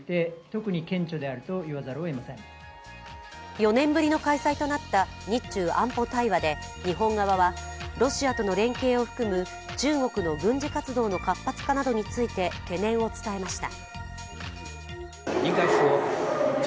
４年ぶりの開催となった日中安保対話で日本側はロシアとの連携を含む中国の軍事活動の活発化などについて懸念を伝えました。